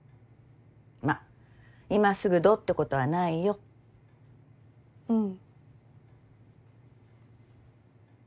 ま今すぐどうってことはないよ。うん。